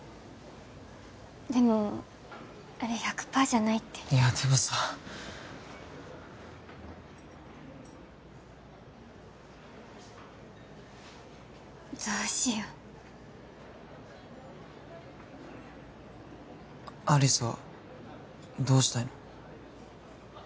でもあれ１００パーじゃないっていやでもさどうしよう有栖はどうしたいの？